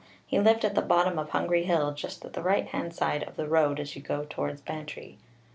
He lived at the bottom of Hungry Hill, just at the right hand side of the road as you go towards Bantry.